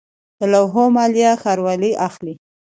د لوحو مالیه ښاروالۍ اخلي